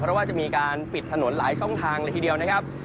เพราะว่าจะมีการปิดถนนหลายช่องทางเลยทีเดียวนะครับ